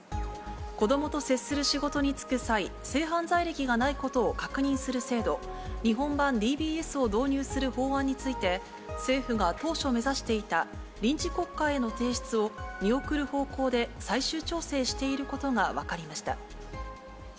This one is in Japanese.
子どもと接する仕事に就く際、性犯罪歴がないことを確認する制度、日本版ＤＢＳを導入する法案について、政府が当初目指していた臨時国会への提出を見送る方向で最終調整していることが分かりました。